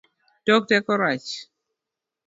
Tok teko rach